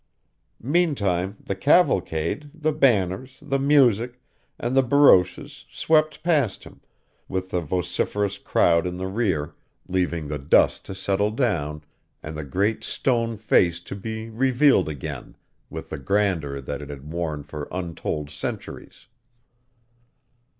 Meantime, the cavalcade, the banners, the music, and the barouches swept past him, with the vociferous crowd in the rear, leaving the dust to settle down, and the Great Stone Face to be revealed again, with the grandeur that it had worn for untold centuries.